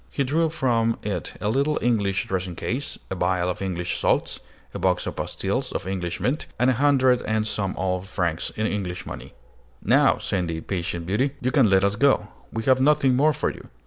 He drew from it a little English dressing case, a vial of English salts, a box of pastilles of English mint, and a hundred and some odd francs in English money. "Now," said the impatient beauty, "you can let us go: we have nothing more for you."